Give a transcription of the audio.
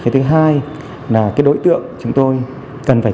thứ hai là đối tượng chúng tôi cần phải